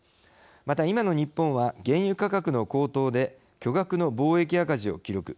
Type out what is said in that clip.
また、今の日本は原油価格の高騰で巨額の貿易赤字を記録。